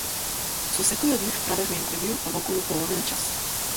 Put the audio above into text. Со секој од нив правевме интервју од околу половина час.